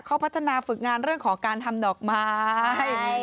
เขาพัฒนาฝึกงานเรื่องของการทำดอกไม้